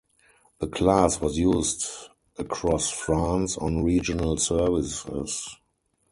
The class was used across France on regional services.